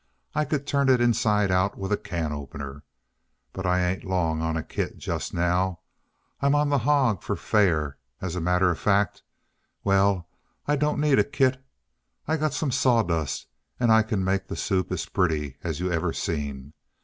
I could turn it inside out with a can opener. But I ain't long on a kit just now. I'm on the hog for fair, as a matter of fact. Well, I don't need a kit. I got some sawdust and I can make the soup as pretty as you ever seen.